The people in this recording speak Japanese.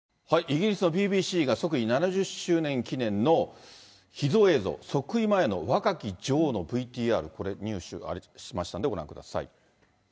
イギリスのＢＢＣが、即位７０周年記念の秘蔵映像、即位前の若き女王のＶＴＲ、これ、入手しましたんで、ご覧ください。